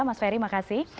mas ferry makasih